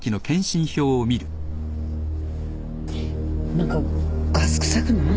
何かガス臭くない？